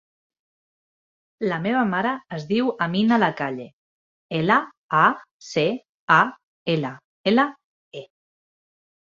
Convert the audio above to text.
La meva mare es diu Amina Lacalle: ela, a, ce, a, ela, ela, e.